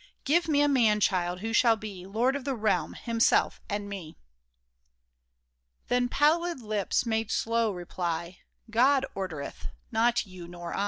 Give me a man child, who shall be Lord of the realm, himself, and me !" Then pallid lips made slow reply —" God ordereth. Not you nor I